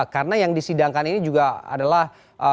karena yang disidangkan ini juga adalah